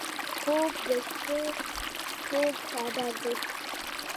خوب د شپه خوږ څادر دی